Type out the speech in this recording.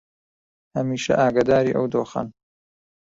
هەمیشە ئاگاداری ئەو دۆخەن